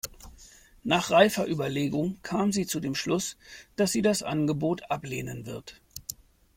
Nach reifer Überlegung kam sie zu dem Schluss, dass sie das Angebot ablehnen wird.